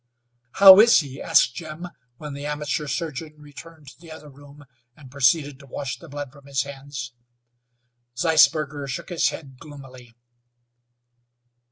"How is he?" asked Jim, when the amateur surgeon returned to the other room, and proceeded to wash the blood from his hands. Zeisberger shook his head gloomily.